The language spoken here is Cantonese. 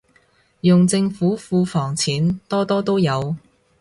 用政府庫房錢，多多都有